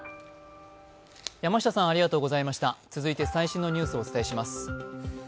続いて最新のニュースをお伝えします。